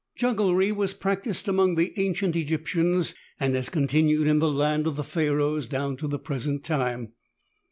Jugglery was practiced among the ancient Egyptians, and has continued in the land of the Pharoahs down to the present time.